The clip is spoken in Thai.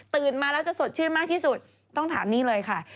มาแล้วจะสดชื่นมากที่สุดต้องถามนี่เลยค่ะ